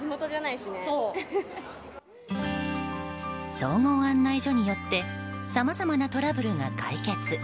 総合案内所によってさまざまなトラブルが解決。